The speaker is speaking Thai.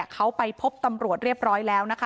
เขาไปพบตำรวจเรียบร้อยแล้วนะคะ